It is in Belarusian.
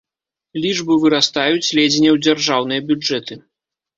Лічбы вырастаюць ледзь не ў дзяржаўныя бюджэты.